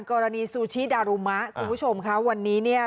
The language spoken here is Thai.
ซูชิดารุมะคุณผู้ชมค่ะวันนี้เนี่ย